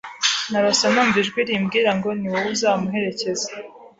Narose numva ijwi rimbwira ngo ni wowe uzamuherekeza